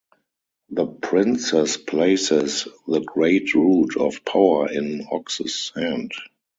The Princess places the Great Root of Power in Ox's hand.